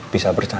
bisa bercanda lagi